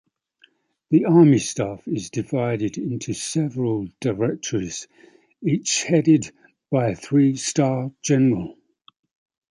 The Army Staff is divided into several directorates, each headed by a three-star general.